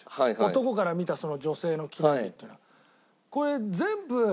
男から見た女性の記念日っていうのは。